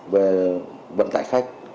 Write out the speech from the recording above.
về vận tải khách